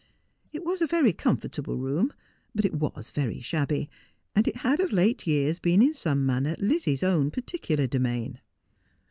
It was a very comfortable room, but it was very shabby ; and it had of late years been in some manner Lizzie : s own particular domain.